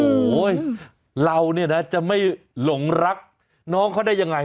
โอ้โหเราเนี่ยนะจะไม่หลงรักน้องเขาได้ยังไง